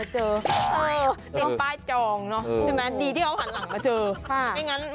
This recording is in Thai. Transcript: ติดป้ายจองเนอะดีที่เขาหันหลังมาเจอ